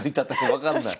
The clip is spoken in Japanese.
分かんない。